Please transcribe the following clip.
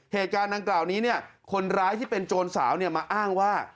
เหตุการณ์ดังกล่าวนี้คนร้ายที่เป็นโจรสาวมาอ้างว่า